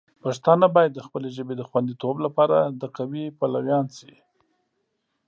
پښتانه باید د خپلې ژبې د خوندیتوب لپاره د قوی پلویان شي.